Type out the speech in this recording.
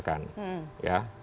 dan juga bisa dipergunakan